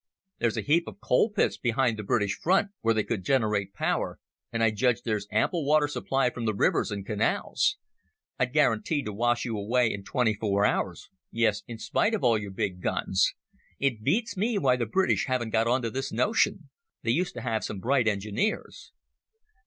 There's a heap of coalpits behind the British front where they could generate power, and I judge there's ample water supply from the rivers and canals. I'd guarantee to wash you away in twenty four hours—yes, in spite of all your big guns. It beats me why the British haven't got on to this notion. They used to have some bright engineers."